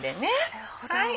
なるほど。